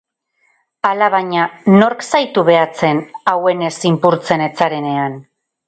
Alabaina, nork zaitu behatzen auhenez zinpurtzen ez zarenean?